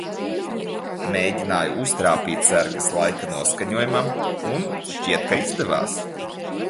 Mēģināju uztrāpīt sērgas laika noskaņojumam, un, šķiet, ka izdevās.